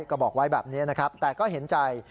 ก็บอกไว้แบบนี้นะครับแต่ก็เห็นใจ